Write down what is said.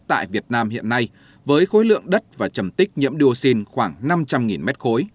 tại việt nam hiện nay với khối lượng đất và chầm tích nhiễm dioxin khoảng năm trăm linh m ba